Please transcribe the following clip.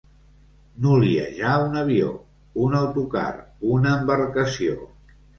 Noliejar un avió, un autocar, una embarcació.